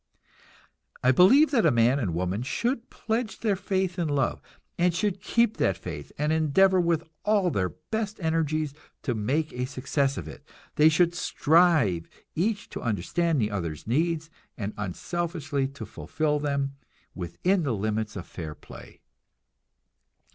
I believe that a man and woman should pledge their faith in love, and should keep that faith, and endeavor with all their best energies to make a success of it; they should strive each to understand the other's needs, and unselfishly to fulfill them, within the limits of fair play.